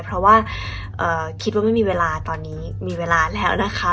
เพราะว่าคิดว่าไม่มีเวลาตอนนี้มีเวลาแล้วนะคะ